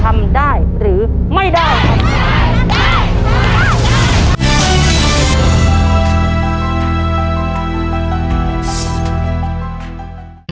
ทำได้หรือไม่ได้